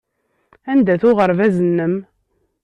Anda-t uɣerbaz-nnem?